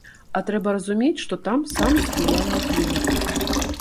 А трэба разумець, што там самы спрыяльны клімат.